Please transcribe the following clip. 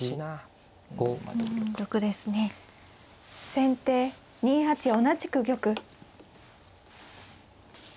先手２八同じく玉。